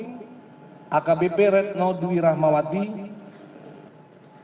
sebanyak delapan orang the saksian hadir dalam sidang kkp antara lain vakabgeordk ppt id curious